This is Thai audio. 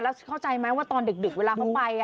แล้วเข้าใจไหมว่าตอนดึกเวลาเขาไป